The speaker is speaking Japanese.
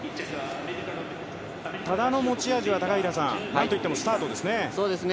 多田の持ち味は高平さん、なんといってもスタートですよね。